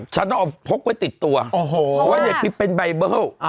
ฉันต้องเอาติดตัวโอ้โหว่าอย่าคิดเป็นไบเบิ้ลอ่า